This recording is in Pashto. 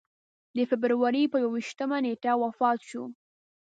د فبروري پر یوویشتمه نېټه وفات شو.